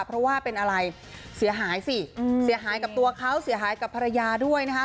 เพราะว่าเป็นอะไรเสียหายสิเสียหายกับตัวเขาเสียหายกับภรรยาด้วยนะคะ